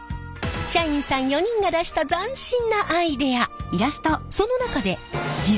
社員さん４人が出した斬新なアイデア。